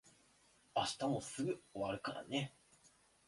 明日もすぐ終わるからね。